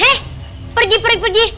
hei pergi pergi pergi